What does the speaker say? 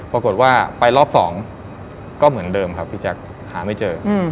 ปรากฏว่าไปรอบสองก็เหมือนเดิมครับพี่แจ๊คหาไม่เจอ